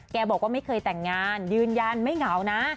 บอกว่าไม่เคยแต่งงานยืนยันไม่เหงานะ